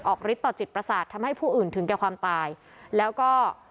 ฤทธิต่อจิตประสาททำให้ผู้อื่นถึงแก่ความตายแล้วก็